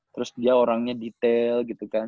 terus dia orangnya detail gitu kan